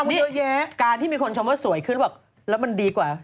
นี่การที่มีคนชอบว่าสวยขึ้นแบบแล้วมันดีกว่า